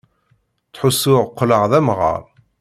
Ttḥussuɣ qqleɣ d amɣaṛ.